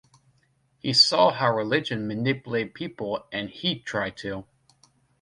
He saw how religion manipulated people and he tried to